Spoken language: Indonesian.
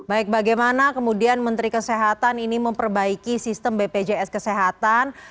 baik bagaimana kemudian menteri kesehatan ini memperbaiki sistem bpjs kesehatan